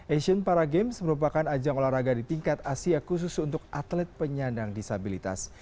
asian para games merupakan ajang olahraga di tingkat asia khusus untuk atlet penyandang disabilitas